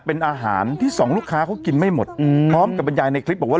เป็นอาหารที่สองลูกค้าเขากินไม่หมดพร้อมกับบรรยายในคลิปบอกว่า